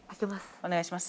お願いします！